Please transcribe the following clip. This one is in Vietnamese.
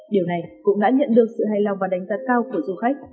điều này cũng đã nhận được sự hài lòng và đánh giá cao của du khách